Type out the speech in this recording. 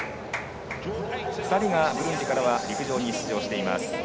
２人がブルンジからは陸上に出場しています。